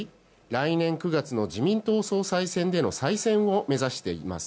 来年９月の自民党総裁選での再選を目指しています。